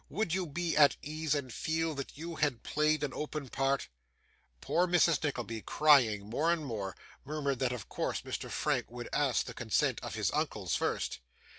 Would you be at ease, and feel that you had played an open part?' Poor Mrs. Nickleby, crying more and more, murmured that of course Mr Frank would ask the consent of his uncles first.